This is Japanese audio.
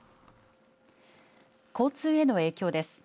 交通への影響です。